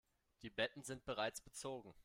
Die Betten sind bereits bezogen.